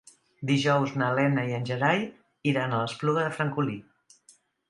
Dijous na Lena i en Gerai iran a l'Espluga de Francolí.